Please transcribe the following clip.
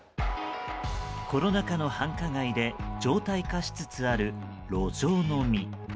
コロナ禍の繁華街で常態化としつつある路上飲み。